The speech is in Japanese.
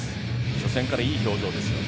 初戦からいい表情ですね。